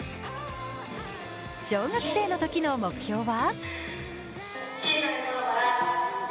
小学生のときの目標は？